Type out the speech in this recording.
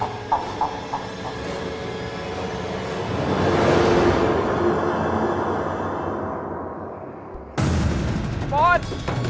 พี่บอส